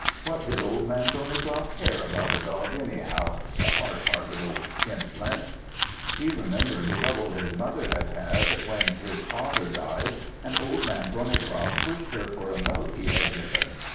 What did Old Man Thornycroft care about a dog, anyhow, the hard hearted old skin flint! He remembered the trouble his mother had had when his father died and Old Man Thornycroft pushed her for a note he had given.